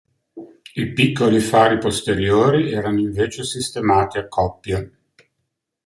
I piccoli fari posteriori erano invece sistemati a coppie.